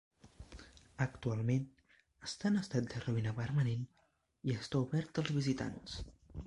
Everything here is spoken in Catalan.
Actualment està en estat de ruïna permanent i està obert als visitants.